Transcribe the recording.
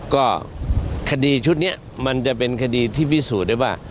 ก็คดีชุดนี้มันจะเป็นคดีที่พิสูจน์ได้ว่า